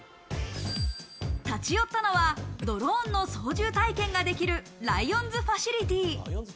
立ち寄ったのはドローンの操縦体験ができるライオンズファシリティ。